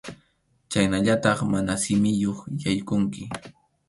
Chhaynallataq mana simiyuq yaykunki.